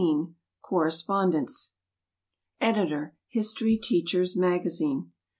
Correspondence EDITOR HISTORY TEACHERS' MAGAZINE.